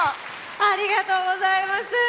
ありがとうございます。